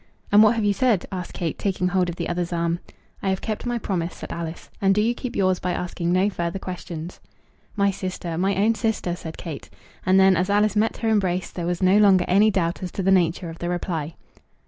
"And what have you said?" asked Kate, taking hold of the other's arm. "I have kept my promise," said Alice; "and do you keep yours by asking no further questions." "My sister, my own sister," said Kate. And then, as Alice met her embrace, there was no longer any doubt as to the nature of the reply.